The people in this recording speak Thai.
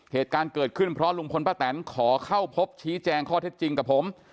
เหตุการณ์เกิดขึ้นเพราะลุงพลป้าแตนขอเข้าพบชี้แจงข้อเท็จจริงกับผม